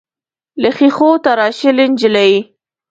له ښیښو تراشلې نجلۍ.